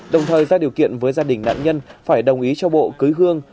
đồng thời ra điều kiện với gia đình nạn nhân phải đồng ý cho bộ cưới hương